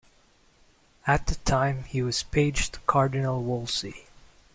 At the time he was page to Cardinal Wolsey.